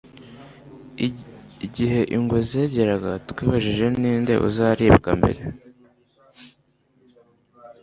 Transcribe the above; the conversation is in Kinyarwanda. igihe ingwe zegeraga, twibajije ninde uzaribwa mbere